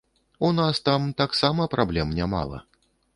У нас там таксама праблем нямала.